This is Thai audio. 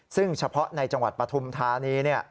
ซึ่งเฉพาะในจังหวัดปฐุมธานี